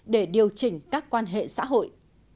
để điều chỉnh các quan hệ xã hội